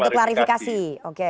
untuk klarifikasi oke